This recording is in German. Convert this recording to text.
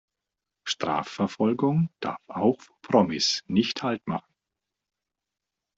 Strafverfolgung darf auch vor Promis nicht Halt machen.